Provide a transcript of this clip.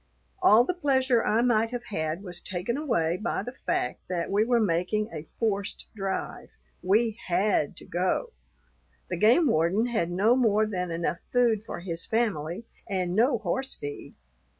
All the pleasure I might have had was taken away by the fact that we were making a forced drive. We had to go. The game warden had no more than enough food for his family, and no horse feed.